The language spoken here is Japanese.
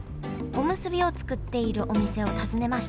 おむすびを作っているお店を訪ねました